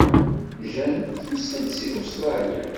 Jane tusa-d seg Ustṛalya.